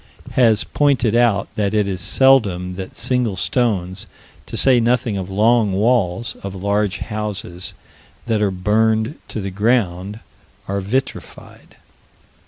_, has pointed out that it is seldom that single stones, to say nothing of long walls, of large houses that are burned to the ground, are vitrified.